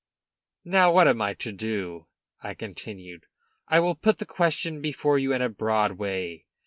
"Now, what am I do to?" I continued; "I will put the question before you in a broad way.